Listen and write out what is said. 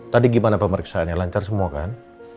tadi gimana pemeriksaannya lancar semua kan